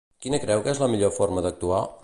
Quina creu que és la millor forma d'actuar?